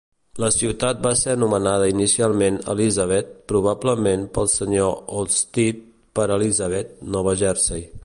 La ciutat va ser anomenada inicialment Elizabeth, probablement pel senyor Olmstead per Elizabeth, Nova Jersey.